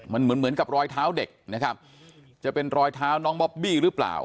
มันเหมือนเหมือนกับรอยเท้าเด็กนะครับจะเป็นรอยเท้าน้องบอบบี้หรือเปล่า